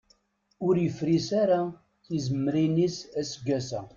Ur yefris ara tizemmrin-is aseggas-a.